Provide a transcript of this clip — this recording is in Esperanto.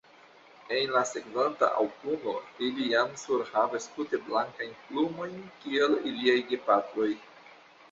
En la sekvanta aŭtuno ili jam surhavas tute blankajn plumojn kiel iliaj gepatroj.